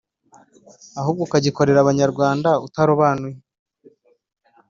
ahubwo ukagikorera abanyarwanda utarobanuye